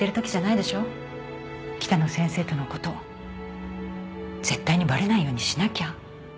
北野先生とのこと絶対にバレないようにしなきゃ。